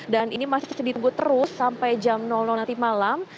dan ini masih ditunggu terus sampai jam malam